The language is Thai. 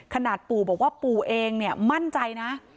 ขนาดปู่บอกว่าปู่เองเนี่ยมั่นใจนะ